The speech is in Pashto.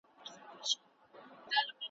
د لودي تاج پښتنو په بابر کېښود.